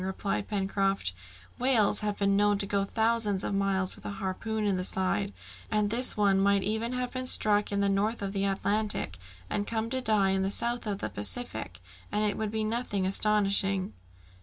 replied Pencroft. "Whales have been known to go thousands of miles with a harpoon in the side, and this one might even have been struck in the north of the Atlantic and come to die in the south of the Pacific, and it would be nothing astonishing."